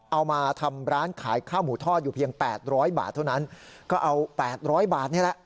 เอามาทำร้านขายข้าวหมูทอดอยู่เพียงแปดร้อยบาทเท่านั้นก็เอา๘๐๐บาทนี่แหละ